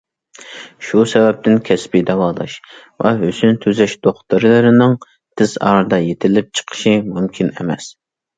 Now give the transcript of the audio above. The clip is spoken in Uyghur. شۇ سەۋەبتىن، كەسپىي داۋالاش ۋە ھۆسن تۈزەش دوختۇرلىرىنىڭ تېز ئارىدا يېتىلىپ چىقىشى مۇمكىن ئەمەس.